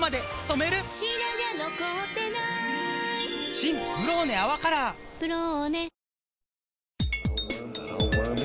新「ブローネ泡カラー」「ブローネ」